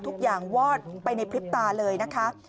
ทุกอย่างวอดไปในพริบตาเลยนะคะ